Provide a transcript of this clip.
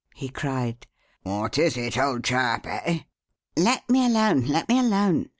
he cried. "What is it, old chap eh?" "Let me alone, let me alone!"